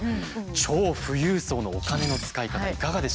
超富裕層のお金の使い方いかがでしたか？